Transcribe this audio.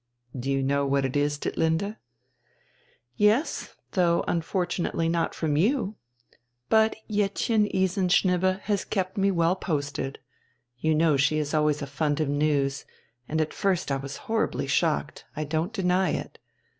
"Do you know what it is, Ditlinde?" "Yes, though unfortunately not from you. But Jettchen Isenschnibbe has kept me well posted you know she is always a fund of news and at first I was horribly shocked, I don't deny it.